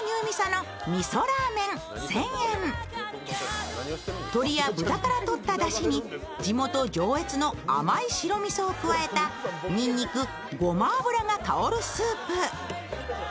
あ鶏や豚からとっただしに地元・上越の甘い白みそを加えたにんにく、ごま油が香るスープ。